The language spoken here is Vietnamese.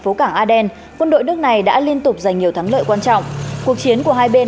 phố cảng aden quân đội nước này đã liên tục giành nhiều thắng lợi quan trọng cuộc chiến của hai bên